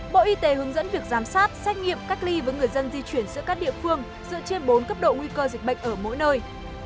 bộ y tế hướng dẫn việc giám sát xét nghiệm cách ly với người dân di chuyển giữa các địa phương dựa trên bốn cấp độ nguy cơ dịch bệnh ở mỗi nơi